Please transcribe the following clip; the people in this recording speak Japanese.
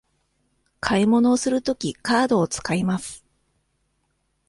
買い物をするとき、カードを使います。